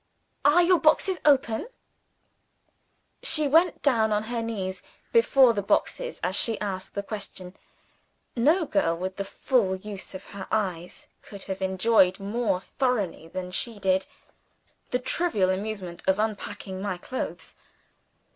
Are your boxes open?" She went down on her knees before the boxes, as she asked the question. No girl with the full use of her eyes could have enjoyed more thoroughly than she did the trivial amusement of unpacking my clothes.